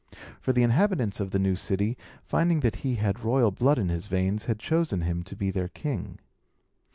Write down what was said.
For the inhabitants of the new city, finding that he had royal blood in his veins, had chosen him to be their king.